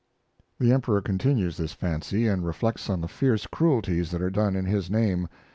The emperor continues this fancy, and reflects on the fierce cruelties that are done in his name.